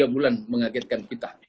tiga bulan mengagetkan kita